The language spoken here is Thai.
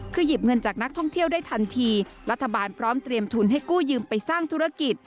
คือหยิบเงินจากนักท่องเที่ยวได้ทันทีรัฐบาลพร้อมเตรียมทุนให้กู้ยืมไปสร้างธุรกิจ